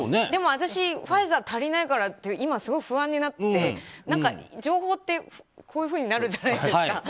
でも、私ファイザー足りないからって今、すごく不安になってて情報って、こういうふうになるじゃないですか。